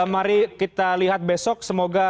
mari kita lihat besok semoga